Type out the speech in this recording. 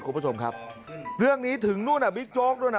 คุณผู้ชมครับเรื่องนี้ถึงนู่นอ่ะบิ๊กโจ๊กด้วยนะ